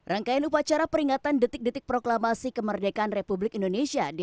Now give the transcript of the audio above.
hai rangkaian upacara peringatan detik detik proklamasi kemerdekaan republik indonesia di